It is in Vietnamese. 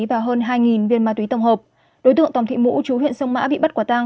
và hơn hai viên ma túy tổng hợp đối tượng tòng thị mũ chú huyện sông mã bị bắt quả tang